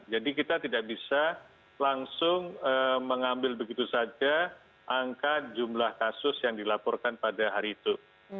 jadi kita tidak bisa langsung mengambil begitu saja angka jumlah kasus yang dilaporkan pada hari itu